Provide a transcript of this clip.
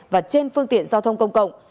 và trên phương tiện giao thông công cộng